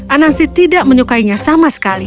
anansi tidak menyukainya sama sekali